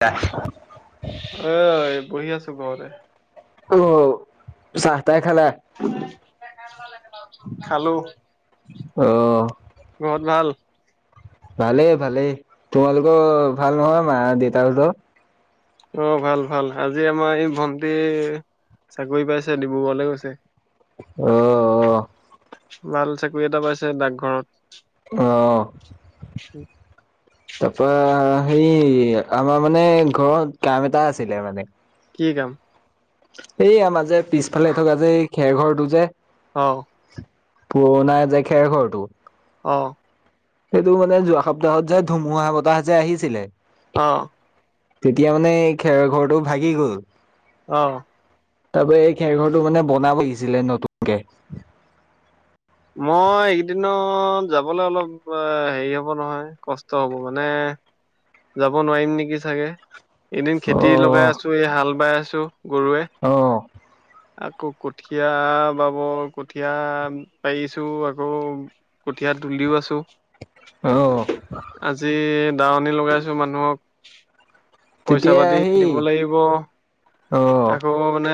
কা [unintelligible] অই বহি আছো ঘৰতে। অ, চাহ টাই খালা? খালো। অ' ঘৰত ভাল? ভালেই, ভালেই। তোমালোকৰ ভাল নহয় মা-দেতাহঁতৰ? অ, ভাল, ভাল। আজি আমাৰ এই ভণ্টিৰ চাকৰি পাইছে ডিব্ৰুগড়লে গৈছে। অ। ভাল চাকৰি এটা পাইছে ডাকঘৰত। অ। তাৰপৰা হেৰি আমাৰ মানে ঘৰত কাম এটা আছিলে মানে। কি কাম? এই আমাৰ যে পিছফালে থকা যে এই খেৰ ঘৰটো যে অ। পুৰণা যে খেৰ ঘৰটো অ। সেইটো মানে যোৱা সপ্তাহত যে ধুমুহা বতাহ যে আহিছিলে। অ। তেতিয়া মানে এই খেৰঘৰটো ভাগি গ'ল। অ। তাৰ পৰা এই খেৰ ঘৰটো মানে বনাব লাগিছিলে নতুনকে। মই এইকেইদিনত যাবলে অলপ হেৰি হ'ব নহয় কষ্ট হ'ব। মানে যাব নোৱাৰিম নেকি চাগে। এইদিন খেতি লগাই অ' আছো, এই হাল বাই আছো। গৰুৱে। অ' আকৌ কঠীয়া বাব কঠীয়া পাৰিছো। আকৌ কঠীয়া তুলিও আছো। অ। আজি দাৱনী লগাইছো মানুহক। পইচা তেতিয়া পাতি সেই দিব লাগিব। অ', আকৌ মানে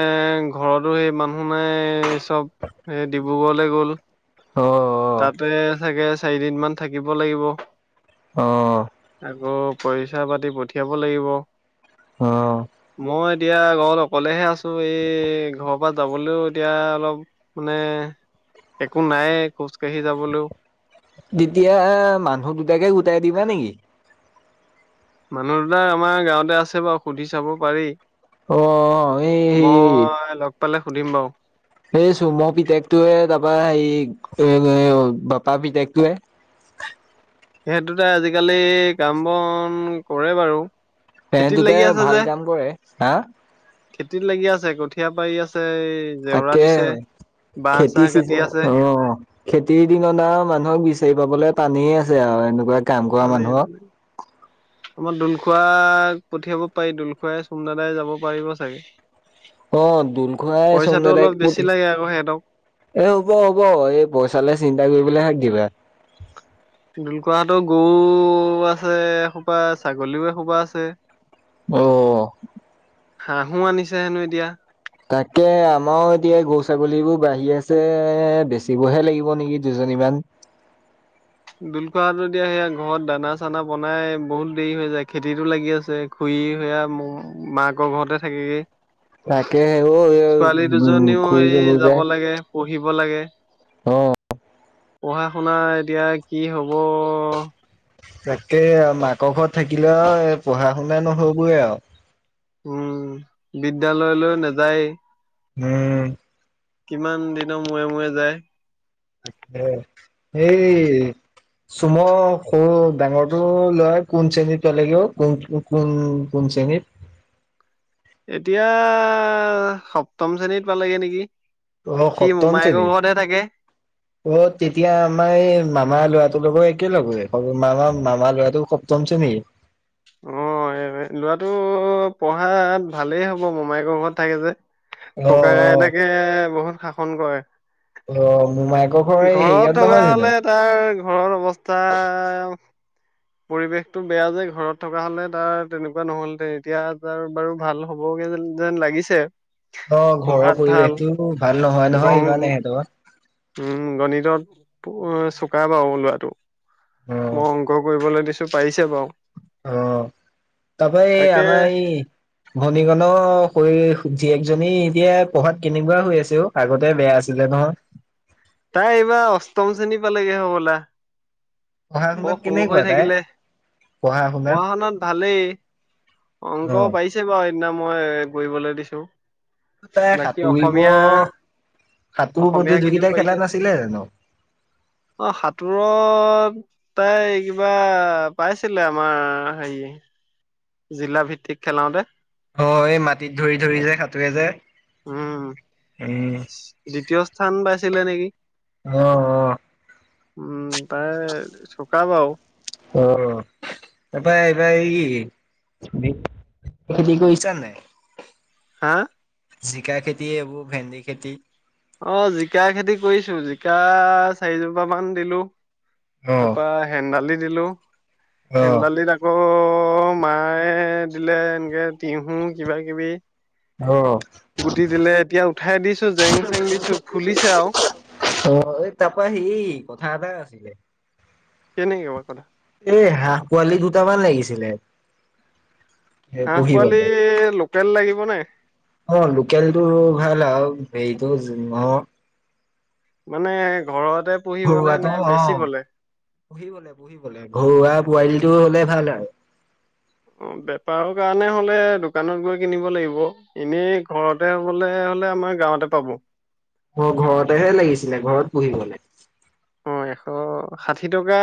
ঘৰতো সেই মানুহ নাই চব এ দি ভূগলে গ'ল। অ। তাতে চাগে চাৰিদিন মান থাকিব লাগিব অ আকৌ পইচা পাতি পঠিয়াব লাগিব অ', মই এতিয়া ঘৰত অকলেহে আছো এই ঘৰৰ পৰা যাবলেও এতিয়া অলপ মানে একো নাইয়ে খোজ কাঢ়ি যাবলেও তেতিয়া মানুহ দুটাকে গোটাই দিবা নেকি? মানুহ দুটা আমাৰ গাঁৱতে আছে বাও সুধি চাব পাৰি। অ এই হেৰি মই লগ পালে সুধিম বাও। এই চুমৰ পিতেকটোৱে তাৰপৰা হেৰি এ বাপা পিতেকটোয়ে সিহঁত দুটাই আজিকালি কাম বন কৰে বাৰু। তেহেত খেতিত লাগি দুটাই আছে যে ভাল কাম কৰে হা খেতিত লাগি আছে কঠীয়া পাৰি আছে এই জেওৰা তাকে দিছে বাঁহ খেতি চাহ কাটি চিজন আছে অ। খেতিৰ দিনত আও মানুহক বিচাৰি পাবলে টানেই আছে আও এনেকোৱা টানেই, টান। আমাৰ দোলখোৱাক পঠিয়াব পাৰি দোলখুৱাই চুম দাদাই যাব পাৰিব চাগে। অ দুল খুৰাই, চুম পইচাটো দাদাই অলপ বেছি পঠি লাগে আকৌ সিহঁতক এ হ'ব হ'ব এই পইচালে চিন্তা কৰিবলৈ হাক দিবা। দুল খুৰা হতৰ গৰু আছে এসোপা ছাগলীও এসোপা আছে। অ হাঁহো আনিছে হেনো এতিয়া। তাকে আমাৰো এতিয়া গৰু ছাগলীবোৰ বাঢ়ি আছে বেচিবহে লাগিব নেকি দুজনীমান। দুল খুৰাহতৰ এতিয়া সেয়া ঘৰত দানা চানা বনাই বহুত দেৰি হৈ যায় খেতিতো লাগি আছে। খুই সেইয়া ম মাকৰ ঘৰতে থাকেগে। তাকে অ ছোৱালী উম দুজনীও সেই খুৰীজনী যে যাব লাগে পঢ়িব লাগে। অ পঢ়া শুনা এতিয়া কি হব? তাকে মাকৰ ঘৰত থাকিলে আও এ পঢ়া শুনা নহবই আও। উম বিদ্যালয়লৈ নাযায়েই। উম কিমান দিনৰ মূৰে মূৰে যায়। তাকে সেই চুমৰ সৰু ডাঙৰটো লৰা কোন শ্ৰেণীত পালেগে অও কোন কোন কোন শ্ৰেণীত এতিয়া সপ্তম শ্ৰেণীত পালেগে নেকি? অ সি সপ্তম মোমাইকৰ শ্ৰেণীত ঘৰতে থাকে। অ তেতিয়া আমাৰ এই মামা ল'ৰাটোৰ লগত একে লগৰে মামা মামা ল'ৰাটো সপ্তম শ্ৰেণীৰ। অ এই লৰাটো পঢ়াত ভালেই হ'ব মমায়েকৰ ঘৰত থাকে যে। অ ককাক অ আইতাকে বহুত শাসন কৰে। অ মোমায়েকৰ ঘৰ এই ঘৰত হেৰিয়ত থকা নহয় হলে জানো? তাৰ ঘৰৰ অৱস্থা পৰিৱেশটো বেয়া যে ঘৰত থকা হলে তাৰ তেনেকোৱা নহ'লহেঁতেন এতিয়া তাৰ বাৰু ভাল হ'বগে যেন লাগিছে। অ ঘৰৰ পঢ়াত ভাল পৰিৱেশটো ভাল নহয় গং নহয় ইমান হেঁতৰ। উম গণিতত পো চোকা বাও লৰাটো। মই অ', অংক কৰিবলে দিছো পাৰিছে বাৰু। অ তাপা এই তাকে আমা এই ভনীকণ হৈ জীয়েকজনী এতিয়া পঢ়াত কেনেকুৱা হৈ আছে অ, আগতে বেয়া আছিলে নহয়। তাই এইবাৰ অষ্টম শ্ৰেণী পালেগে হবলা। পঢ়া বৰ শুনাত সৰু কেনেকুৱা হৈ তাই? থাকিলে পঢ়া শুনাত ভালেই। অংক অ', পাৰিছে বাও সেইদিনা মই কৰিবলে দিছো। তাই বাকী সাঁতুৰিব, অসমীয়া সাঁতোৰ অসমীয়া খিনিও প্ৰতিযোগিতা পাৰিছে খেলা নাছিলে জানো? অ সাঁতোৰত তাই কিবা পাইছিলে আমাৰ হেৰিয়ে জিলা ভিত্তিক খেলাওঁতে। হয় এই মাটিত ধৰি ধৰি যে হাতুৰে যে। উম। উম। দ্বিতীয় স্থান পাইছিলে নেকি? অ অ। উম তাই চুকা বাও। অ, অ। তাৰপৰা এইবাৰ এই কি, খেতি কৰিছা নাই? হা? জিকা খেতি, এইবোৰ ভেন্দি খেতি। অ জিকা খেতি কৰিছো, জিকা চাৰিজোপ মান দিলো অ', তাপা হেন্দালি দিলো, অ', হেন্দালিত আক আকৌ মায়ে দিলে এনেকে তিহু কিবা কিবি অ গুটি দিলে এতিয়া উঠাই দিছো, জেং-চেং দিছো ফুলিছে আৰু। অ এই তাপা সি কথা এটা আছিলে। কেনে ক কথা? এ হাঁহ পোৱালি দুটামান লাগিছিলে। হাঁহ পোৱালি পুহিবলে। লোকেল লাগিব নাই? অ লোকেলটো ভাল আৰু হেৰিটো ন মানে ঘৰতে পুহিবনে ঘৰুৱাটো নে অ'। বেছিবলে? পুহিবলে, পুহিবলে ঘৰুৱা পোৱালিটো হ'লে ভাল আৰু। অ বেপাৰৰ কাৰণে হলে দোকানত গৈ কিনিব লাগিব এনেই ঘৰতে হবলে হলে আমাৰ গাঁৱতে পাব। অহ ঘৰতেহে লাগিছিলে ঘৰত পুহিবলে। অ এশ ষাঠি টকা,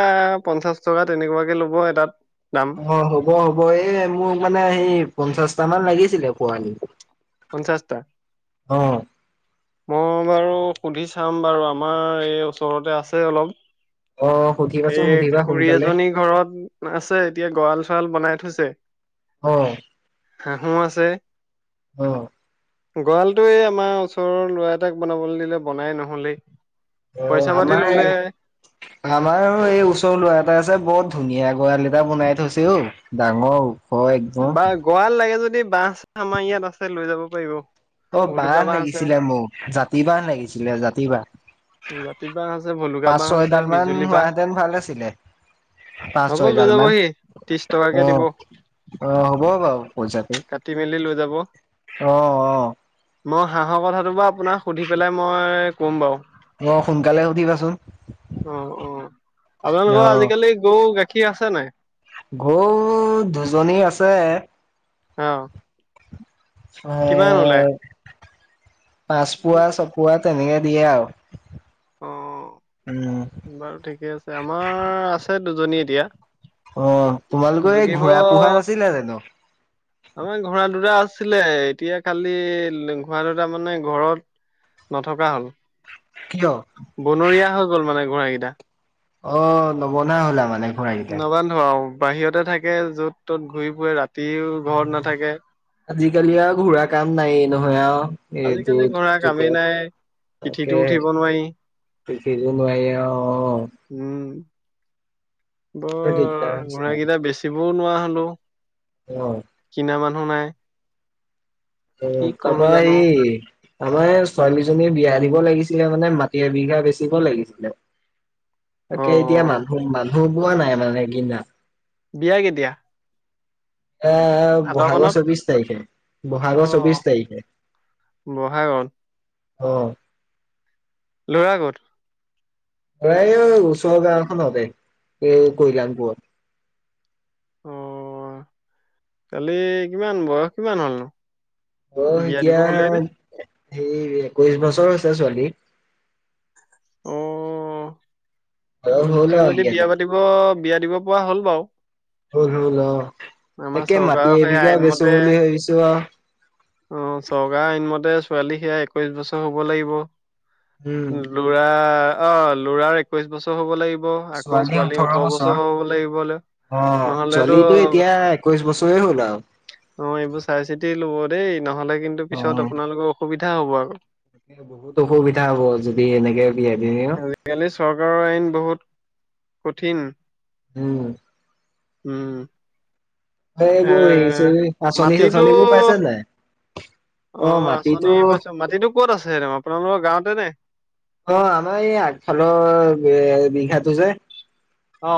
পঞ্চাশ টকা তেনেকুৱাকে ল'ব এটাত দাম। অ হ'ব হ'ব এই মোক মানে সেই পঞ্চাশটা মান লাগিছিলে পোৱালী। পঞ্চাছটা? মই বাৰু সুধি চাম বাৰু আমাৰ এই ওচৰতে আছে অলপ। অ', এ সুধিবাচোন সুধিবা খুৰী সোনকালে এজনী ঘৰত আছে, এতিয়া গঁৰাল-চৰাল বনাই থৈছে। অ। হাঁহো আছে। অ। গঁৰালটো এই আমাৰ ওচৰৰ ল'ৰা এটাক বনাবলৈ দিলে বনাই নহলে। অ', পইচা পাতি ল'লে। আমাৰ এই ওচৰৰ লৰা এটা আছে বৰত ধুনীয়া গৰাল এটা বনাই থৈছেও ডাঙৰ। অ একবম। [unintelligible] গৱাল লাগে যদি বাঁচ আমাৰ ইয়াত আছে, লৈ যাব পাৰিব। অ ভলুকা বাঁহ আছে লাগিছিলে মোক, জাতি বাঁহ লাগিছিলে, জাতি বাহঁ। জাতি বাঁহ আছে ভলুকা বাঁহ আছে পাঁচ-ছয়ডাল মান বিজুলী বাঁহ হোৱাহেতেন ভাল আছিলে। হ'ব লৈ পাঁচ-ছয়ডাল মান যাবহি ত্ৰিশ টকাকে অ, দিব অ হ'ব বাৰু পইচাটো। কাটি মেলি লৈ যাব। অঁ অঁ। মই হাঁহৰ কথাটো বাও আপোনাক সুধি পেলাই মই কম বাৰু। অ সোনকালে সুধিবাচোন। অ', অ'। অ আপোনালোকৰ আজিকালি গৰু গাখীৰ আছে নাই? গৰু দুজনী আছে। অ। ছয় কিমান ওলাই? এ পাঁচ পোৱা ছপোৱা তেনেকে দিয়ে আৰু। উম উ বাৰু ঠিকে আছে, আমাৰ আছে দুজনী এতিয়া। অ তোমালোকৰ এই জগিব ঘোৰা পোহা নাছিলা জানো? আমাৰ ঘোঁৰা দুটা আছিলে এতিয়া খালি ঘোঁৰা দুটা মানে ঘৰত নথকা হ'ল। কিয়? বনৰীয়া হৈ গ'ল মানে ঘোৰা কেইটা। অ নমনা হ'ল আও মানে ঘোৰাগিটা। ত ঔ বাহিৰতে থাকে য'ত ত'ত ঘূৰি ফুৰে ৰাতিও ঘৰত নাথাকে। আজিকালি আৰু ঘোৰা কাম নায়েই নহয় আও। এইটো আজিকালি ঘোঁৰা কামেই যুগত, নাই, পিঠিতো তাকেহে। উঠিব নোৱাৰি। দেখিছ নোৱাৰি আও। উম। অ দিগদাৰ বৰ হৈছে ঘোৰা আৰু। কেইটা বেচিবও নোৱাৰা হলো, অ। কিনা মানুহ নাই? এই কি কৰো তাপা জানো এই আমাৰ ছোৱালীজনী বিয়া দিব লাগিছিলে মানে মাটি এবিঘা বেচিব লাগিছিলে। অ তাকে এতিয়া মানুহ মানুহ পোৱা নাই মানে কিনা। বিয়া কেতিয়া? এ ভাদ ব'হাগৰ মানত চৌবিশ তাৰিখে, অ বহাগৰ চৌবিশ তাৰিখে। বহাগত। অ। লৰা কত? প্ৰায় এই ওচৰ গাঁওখনতে এই কল্যাণপুৰত। অ, কালি কিমান বয়স কিমান হ'লনো? অ বিয়া এতিয়া দিব হ'লেই নে সেই একৈশ বছৰ হৈছে ছোৱালী। অ। বয়স একৈশ হ'ল বছৰ আৰু যদি ইয়াতে বিয়া পাতিব বিয়া দিব পৰা হ'ল বাৰু। হল হল অ, আমাৰ তাকে মাটি চৰকাৰৰ সেই এবিঘা বেচো আইনমতে বুলি ভাবিছো আও। অ চৰকাৰ আইনমতে ছোৱালী সেয়া একৈশ বছৰ হব লাগিব। উম। ল'ৰা অ লৰাৰ একৈশ বছৰ হব লাগি ব আকৌ ছোৱালী ওঠৰ বছৰ হ'ব লাগিবলে। অ ছোৱলীটো এতিয়া একৈশ বছৰে হ'ল আৰু। অ এইবোৰ চাই চিতি লব দেই, নহ'লে কিন্তু অ পিছত আপোনালোকৰ অসুবিধা হ'ব আকৌ। তাকে বহুত অসুবিধা হব যদি এনেকে বিয়া দিয়ে। আজিকালি চৰকাৰৰ আইন বহুত কঠিন। উম। উম। এ এইবোৰ হেৰিছে যে আচনি মাটিতো চাচনিবোৰ পাইছে নাই? অ আঁচনি পাইছো। মাটিতো ক'ত আছে নো আপোনালোকৰ গাঁৱতে নে? অ আমাৰ এই আগফালৰ বি আ বিঘাটো যে। অ।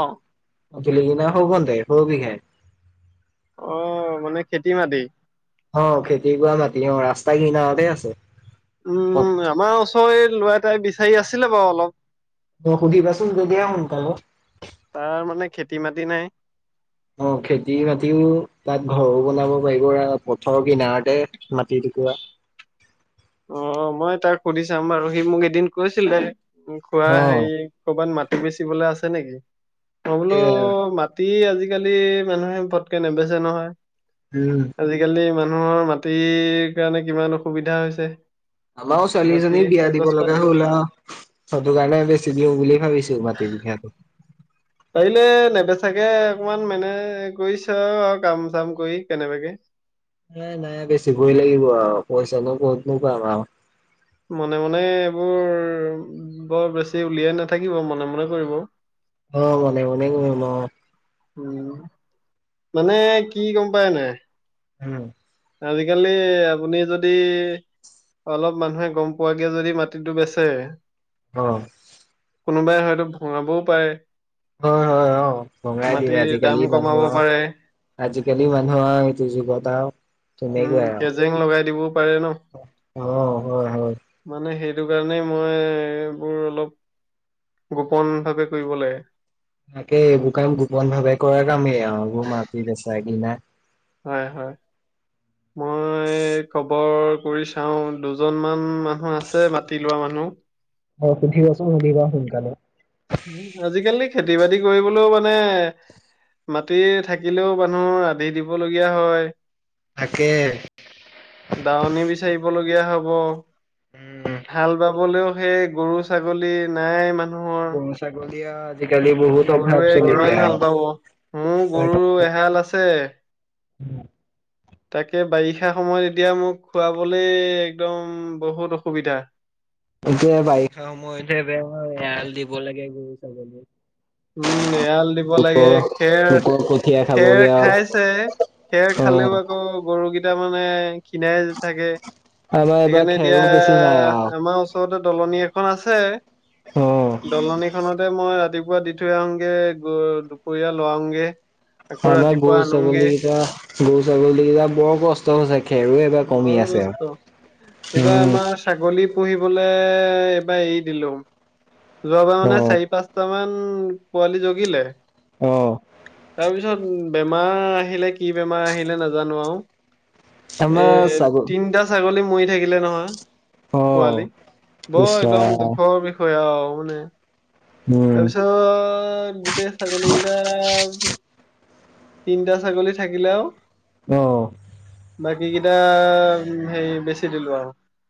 অতুলিকিনা হৈ গল তাইৰ সৰু বিঘাৰ। অ মানে খেতি - মাটি। অ খেতি কৰাৱা মাটি অ ৰাস্তা কিনাৰতে আছে। উম আমাৰ ওচৰে লৰা এটাই বিচাৰি আছিলে বাৰু অলপ। অ কুদি পাচুন যদিহে সোনকালে। তাৰ মানে খেতি - মাটি নাই? অ খেতি বাতিও তাত ঘৰো বনাব পাৰিব আৰু পথৰ কিনাৰতে। মাটি টোকোৰা। অ মই এ তাক সুধি চাম বাৰু সি মোক এদিন কৈছিলে খুড়া অ, হেৰি কবাত মাটি বেচিবলে আছে নেকি? মই বোলো সেয়াই মাট- টি আজিকালি মানুহে পটকে নেবেচে নহয়। উম। আজিকালি মানুহৰ মাটিৰ কাৰণে কিমান অসুবিধা হৈছে। আমাৰো মাটি ছোৱালীজনী বিয়া দিব কাগজ লগা পাতি হ'ল আ। সতো কাৰণে বেছি দিওঁ বুলি ভাবিছোঁ মাটি বিঘাটো। পাৰিলে নেবেচাকে অকমান মানে কৰি চা বাও কাম চাম কৰি কেনেবাকে। এ নাই বেছিবই লাগিব আও পইচা নো ক'তনো পাম আও। মনে মনে এইবোৰ বৰ বেছি উলিয়াই নাথাকিব মনে মনে কৰিব। [inaudible] হ মনে মনে কম আও। উম মানে কি গম পায় নাই। উম। আজিকালি আপুনি যদি অলপ মানুহে গম পোৱাকে যদি মাটিটো বেচে অ কোনোবাই হয়তো ভঙাবও পাৰে। হয় হয় অ ভঙাই দিয়ে মাটিৰ আজিকালি দাম মানুহ কমাব পাৰে আজিকালি মানুহ আ এইটো যুগত আও। উম তেনেকুৱাই আও কে জেং লগাই দিবও পাৰে ন। অ হয়। হয় মানে সেইটো কাৰণেই মই এইবোৰ অলপ গোপন ভাৱে কৰিব লাগে। তাকে এইবোৰ কাম গোপন ভাৱে কৰ কামেই আও এইবোৰ মাটি বেচা কিনা হয় হয় মই খবৰ কৰি চাও দুজন মান মানুহ আছে মাটি লোৱা মানুহ। স সুধিবাচোন সুধিবা সোনকালে আজিকালি খেতি বাতি কৰিবলৈও মানে মাটি থাকিলেও মানুহ আধি দিবলগীয়া হয়। তাকে দাৱনী বিচাৰিব লগীয়া হ'ব উম হাল বাব- হবলেও সেই গৰু ছাগলী নাই ইমান গোম চাগলিয়া জিকালি বহুত অভাৱ গৰুৱে চলিছে কিমান হাল আও। বাব মোৰ গৰু এহাল আছে [inaudible] তাকে বাৰিষা সময়ত এতিয়া মোক খোৱাবলে একদম বহুত অসুবিধা। এতিয়া বাৰিষা সময়তহে বেয়া এৰাল দিব লাগে গৰু, ছাগলী। উম এৰাল দিব লাগে লোকৰ খেৰ, লোকৰ কঠীয়া খেৰ খাবগে আৰু খাইছে। খেৰ অ। খালেও আকৌ গৰুকেইটা মানে ক্ষীণাই থাকে। আমাৰ এইবাৰ সেইকাৰণে খেৰো এতিয়া বেছি নাই আৰু আমাৰ ওচৰতে দলনি এখন আছে। অ দলনি খনতে মই ৰাতিপুৱা দি থৈ আহোগে দুপৰীয়া লৰাওঁগে। আমাৰ গৰু-ছাগলী কেইটা গৰু-ছাগলীকেইটা বৰ কষ কষ্ট হৈছে খেৰো এইবাৰ কমি বৰ আছে কষ্ট আৰু এইবাৰ উম উ উ আমাৰ ছাগলী পুহিবলৈ এইবাৰ এৰি দিলো যোৱাবাৰ অ মানে চাৰি পাঁচ তমান পোৱালি জগিলে। অ তাৰ পিছত বেমাৰ আহিলে কি বেমাৰ আহিলে নাজানো আও। এ আমাৰ এ এ ছাগল তিনটা ছাগলী মৰি থাকিলে নহয় পোৱালি বৰ একদম দুখৰ বিষ কৈ আও মানে তাৰপিছত গোটেই ছাগলী কেইটা তিনটা ছাগলী থাকিলে আৰু অ অ অ অ বাকী কেইটা হেৰি বেচি দিলো আৰু